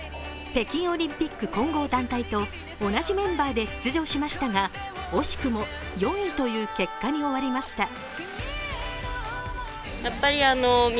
北京オリンピック混合団体と同じメンバーで出場しましたが惜しくも４位という結果に終わりました。